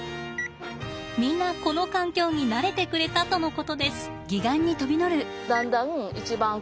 みんなこの環境に慣れてくれたとのことです。